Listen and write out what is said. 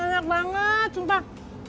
hahaha enak banget sumpah